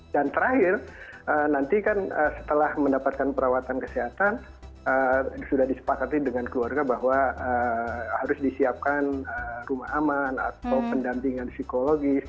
dan terakhir nanti kan setelah mendapatkan perawatan kesehatan sudah disepakati dengan keluarga bahwa harus disiapkan rumah aman atau pendampingan psikologis